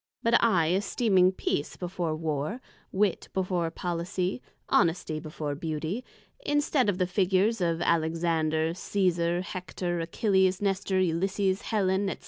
But I esteeming Peace before Warr, Wit before Policy, Honesty before Beauty; instead of the figures of Alexander, Cesar, Hector, Achilles, Nestor, Ulysses, Hellen, &c.